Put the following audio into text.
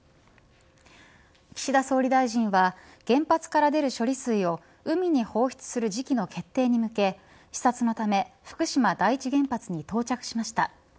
岸田総理大臣は原発から出る処理水を海に放出する時期の決定に向け視察のため福島第１原発に到着しました。